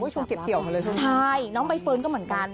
โอ้ยช่วงเก็บเจียวค่ะเลยใช่น้องใบเฟิร์นก็เหมือนกัน